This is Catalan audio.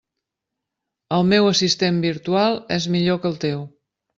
El meu assistent virtual és millor que el teu.